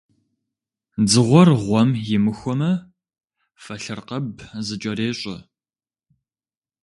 Дзыгъуэр гъуэм имыхуэмэ, фэлъыркъэб зыкӀэрещӀэ.